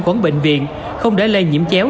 quấn bệnh viện không để lây nhiễm chéo